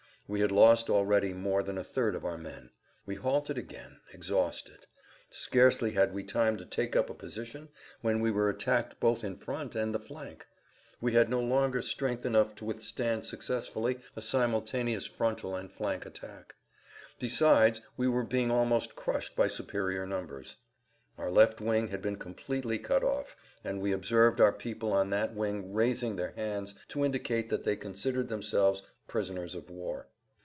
We had lost already more than a third of our men. We halted again, exhausted. Scarcely had we had time to take up a position when we were attacked both in front and the flank. We had no longer strength enough to withstand successfully a simultaneous frontal and flank attack. Besides, we were being almost crushed by superior numbers. Our left wing had been completely cut off, and we observed our people on that wing raising their hands to indicate that they considered themselves prisoners of war.